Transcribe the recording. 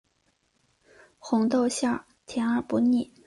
红豆馅甜而不腻